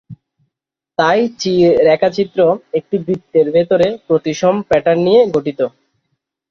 তাই চি রেখাচিত্র একটি বৃত্তের ভিতরে প্রতিসম প্যাটার্ন নিয়ে গঠিত।